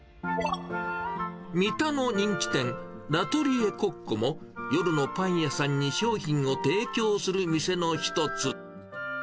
三田の人気店、ラトリエコッコも、夜のパン屋さんに商品を提供する店の一つ。